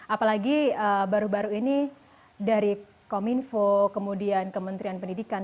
apalagi baru baru ini dari kominfo kemudian kementerian pendidikan